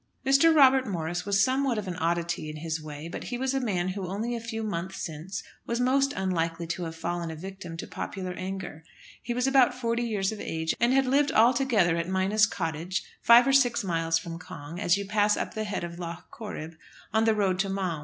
Mr. Robert Morris was somewhat of an oddity in his way; but he was a man who only a few months since was most unlikely to have fallen a victim to popular anger. He was about forty years of age, and had lived altogether at Minas Cottage, five or six miles from Cong, as you pass up the head of Lough Corrib, on the road to Maum.